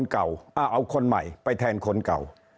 เอาคนใหม่ไปแทนคนเก่า